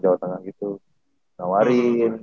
jawa tengah gitu nawarin